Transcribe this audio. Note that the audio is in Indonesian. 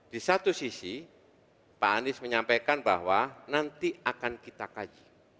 di satu sisi pak anies menyampaikan bahwa nanti akan kita kaji